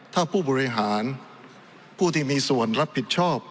ถ้าผู้บริหารผู้ที่มีส่วนรับผิดชอบ